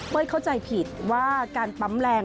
เข้าใจผิดว่าการปั๊มแรง